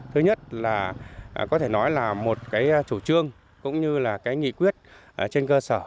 thứ nhất là có thể nói là một cái chủ trương cũng như là cái nghị quyết trên cơ sở